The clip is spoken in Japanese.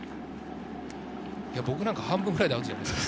僕なんか半分ぐらいでアウトじゃないですか。